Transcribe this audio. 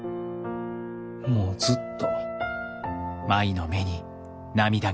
もうずっと。